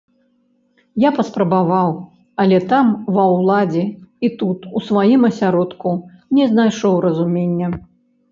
Я паспрабаваў, але там, ва ўладзе, і тут, у сваім асяродку, не знайшоў разумення.